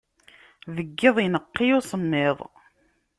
Deg yiḍ, ineqq-iyi usemmiḍ.